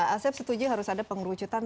asyaf setuju harus ada pengurucutan